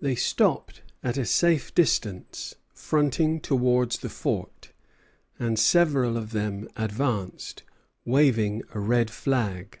They stopped at a safe distance, fronting towards the fort, and several of them advanced, waving a red flag.